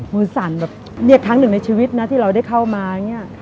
มือสั่นเนียกทั้งหนึ่งในชีวิตที่เราได้เข้ามา